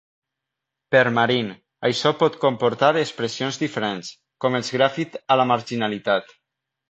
Per marín, això pot comportar expressions diferents, com els grafit, a la marginalitat.